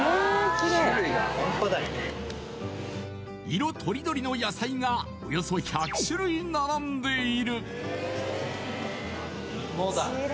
色とりどりの野菜がおよそ１００種類並んでいる。